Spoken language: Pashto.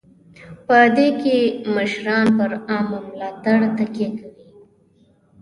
په دې کې مشران پر عامه ملاتړ تکیه کوي.